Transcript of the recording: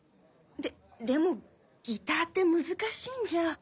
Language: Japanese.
ででもギターって難しいんじゃ。